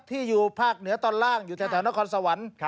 ที่อยู่ภาคเหนือตอนล่างอยู่แถวนครสวรรค์